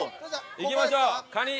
行きましょうカニ。